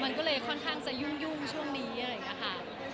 มันก็เลยค่อนข้างจะยุ่งช่วงนี้เลยค่ะค่ะ